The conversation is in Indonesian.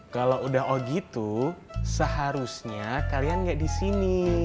kalo udah oh gitu seharusnya kalian gak disini